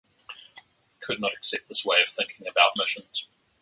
I could not accept this way of thinking about missions.